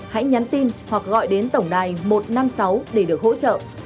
hãy nhắn tin hoặc gọi đến tổng đài một trăm năm mươi sáu để được hỗ trợ